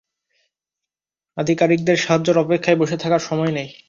আধিকারিকদের সাহায্যের অপেক্ষায় বসে থাকার সময় নেই।